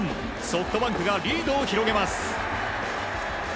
ソフトバンクがリードを広げます。